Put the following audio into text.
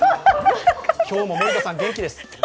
今日も森田さん、元気です。